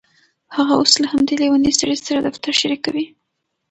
هغه اوس له همدې لیونۍ سړي سره دفتر شریکوي